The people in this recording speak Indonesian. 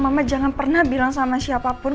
mama jangan pernah bilang sama siapapun